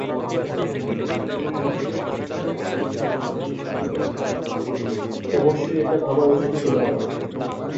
অবশ্যই, এটা ভাবা উচিত ছিল আমার।